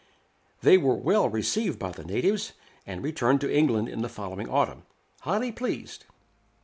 They were well received by the natives, and returned to England in the following autumn, highly pleased.